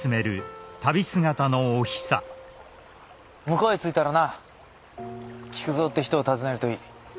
向こうへ着いたらな菊造って人を訪ねるといい。